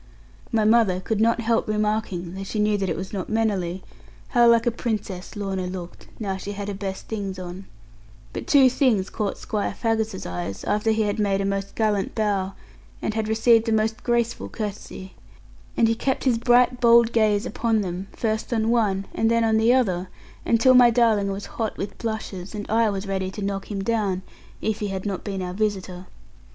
My mother could not help remarking, though she knew that it was not mannerly, how like a princess Lorna looked, now she had her best things on; but two things caught Squire Faggus's eyes, after he had made a most gallant bow, and received a most graceful courtesy; and he kept his bright bold gaze upon them, first on one, and then on the other, until my darling was hot with blushes, and I was ready to knock him down if he had not been our visitor.